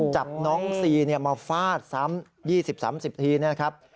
จับน้องซีมาฟาดสามยี่สิบสามสิบทีนะครับ